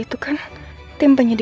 itu kan ah